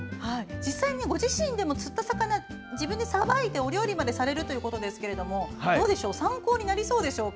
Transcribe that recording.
実際にご自身でも釣った魚を自分でさばいてお料理までされるということですがどうでしょう参考になりそうでしょうか？